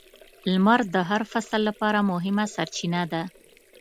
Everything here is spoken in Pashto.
• لمر د هر فصل لپاره مهمه سرچینه ده.